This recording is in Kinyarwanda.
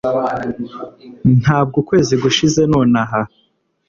ntabwo ukwezi gushize nonaha